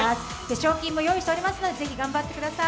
賞金も用意しておりますので、ぜひ頑張ってください。